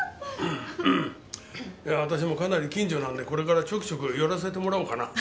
いや私もかなり近所なんでこれからちょくちょく寄らせてもらおうかな。